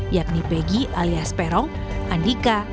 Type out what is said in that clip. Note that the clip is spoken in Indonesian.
yakni peggy alias perong andika